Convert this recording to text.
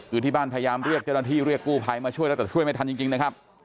คือที่บ้านพยายามเรียกเจ้าหน้าที่เรียกกู้ภัยมาช่วยแล้วแต่ช่วยไม่ทันจริงนะครับ